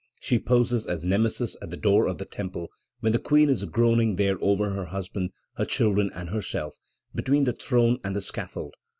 She poses as Nemesis at the door of the Temple, when the Queen is groaning there over her husband, her children, and herself, between the throne and the scaffold.